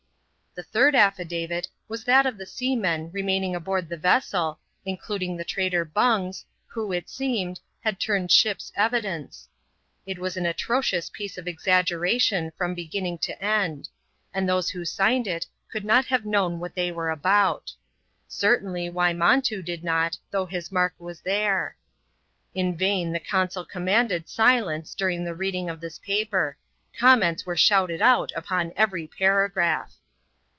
The third affidavit was that of the seamen remaining aboard \e vessel, including the traitor Bungs, who, it seemed, had imed ship's evidence. It was an atrocious piece of exaggera on, from beginning to end; and those who signed it could 5t have known what they were about. Certainly Wymontoo id not, though his mark was there. In vain the consul com onded silence during the reading of this paper ; comments ere shouted out upon every paragraph.